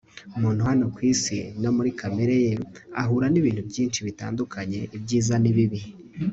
muntu hano ku isi no muri kamere ye, ahura n'ibintu byinshi bitandukanye ibyiza n'ibibi